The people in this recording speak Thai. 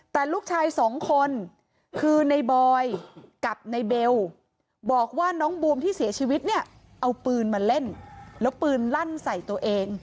แต่ลูกชายสองคนคือในบอยกับในเบลบอกว่าน้องบวมที่เสียชีวิตเนี่ยเอาปืนมาเล่นแล้วปืนลั่นใส่ตัวเอง